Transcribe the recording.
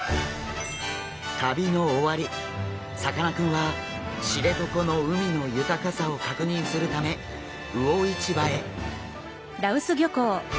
旅の終わりさかなクンは知床の海の豊かさを確認するため魚市場へ。